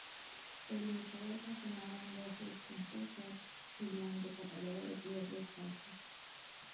sobre mi cabeza sonaban voces confusas y blando pataleo de pies descalzos